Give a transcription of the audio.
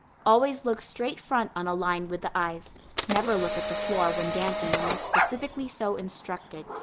Always look straight front on a line with the eyes. Never look at the floor when dancing unless specifically so instructed.